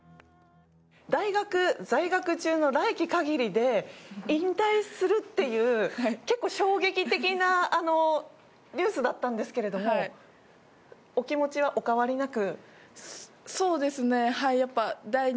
大学在学中の来季限りで引退するっていう結構、衝撃的なニュースだったんですけれどもお気持ちはお変わりなく？